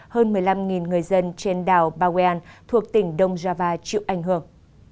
hơn một mươi năm người dân trên đảo babwayan thuộc tỉnh đông java chịu ảnh hưởng